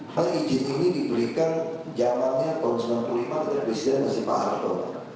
hal izin ini diberikan jalannya tahun seribu sembilan ratus sembilan puluh lima dari presiden masyaripaharto